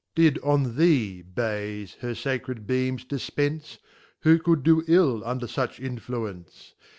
C Did Did on thee, &yw, her Acred beams difpence, Who could do ill under fuch influence